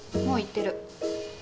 もう行ってる。